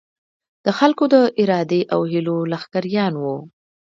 د خلکو د ارادې او هیلو لښکریان وو.